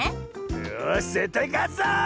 よしぜったいかつぞ！